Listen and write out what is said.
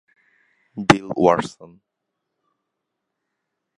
বিল Watson.